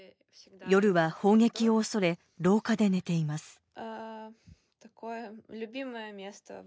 夜は砲撃を恐れ廊下で寝ています。